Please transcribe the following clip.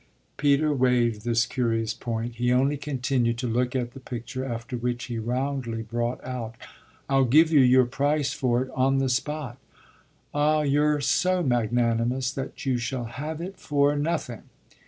Peter waived this curious point he only continued to look at the picture; after which he roundly brought out: "I'll give you your price for it on the spot." "Ah you're so magnanimous that you shall have it for nothing!"